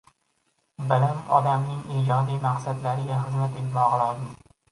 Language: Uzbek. Bilim odamiing ijodiy maqsadlariga xizmat etmog‘i lozim.